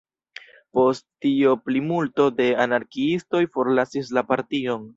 Post tio plimulto de anarkiistoj forlasis la partion.